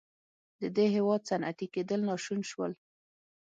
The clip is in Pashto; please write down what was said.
د دې هېواد صنعتي کېدل ناشون شول.